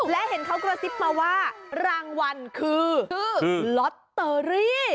และเห็นเขากระซิบมาว่ารางวัลคือลอตเตอรี่